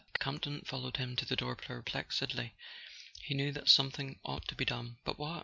Campton followed him to the door perplexedly. He knew that something ought to be done—but what?